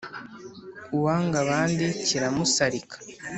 uwanga abandi kiramusarika